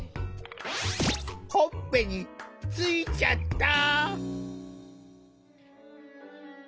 ほっぺについちゃった！